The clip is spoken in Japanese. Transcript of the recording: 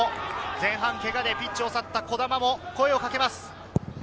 前半けがでピッチを去った児玉も声をかけます。